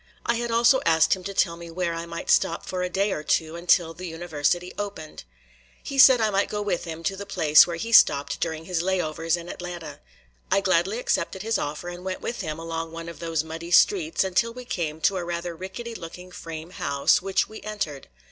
I had also asked him to tell me where I might stop for a day or two until the University opened. He said I might go with him to the place where he stopped during his "lay overs" in Atlanta. I gladly accepted his offer and went with him along one of those muddy streets until we came to a rather rickety looking frame house, which we entered.